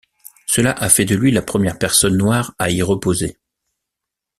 Cela a fait de lui la première personne noire à y reposer.